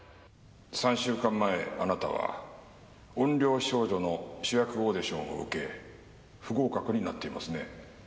３週間前あなたは『怨霊少女』の主役オーディションを受け不合格になっていますね。